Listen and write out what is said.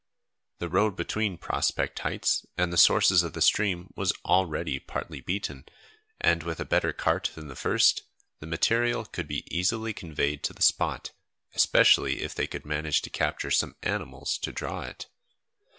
The road between Prospect Heights and the sources of the stream was already partly beaten, and with a better cart than the first, the material could be easily conveyed to the spot, especially if they could manage to capture some animals to draw it.